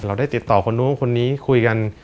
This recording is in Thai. เราได้ติดต่อคนนู้นคนนี้คุยกัน